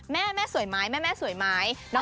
แม่แม่สวยไหมแม่สวยไหม